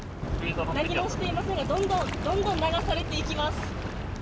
何もしていませんがどんどん流されていきます。